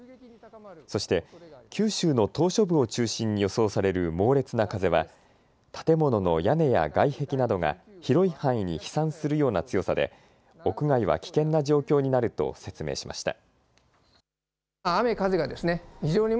そして九州の島しょ部を中心に予想される猛烈な風は建物の屋根や外壁などが広い範囲に飛散するような強さで屋外は危険な状況になると説明しました。